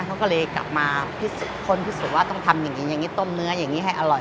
เขาก็เลยกลับมาคนพิสูจน์ว่าต้องทำอย่างนี้อย่างนี้ต้มเนื้ออย่างนี้ให้อร่อย